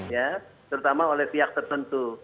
ya terutama oleh pihak tertentu